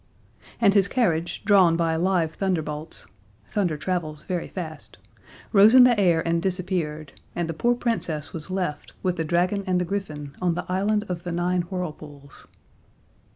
And his carriage, drawn by live thunderbolts (thunder travels very fast), rose in the air and disappeared, and the poor Princess was left, with the dragon and the griffin, on the Island of the Nine Whirlpools.